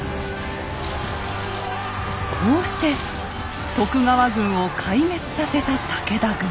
こうして徳川軍を壊滅させた武田軍。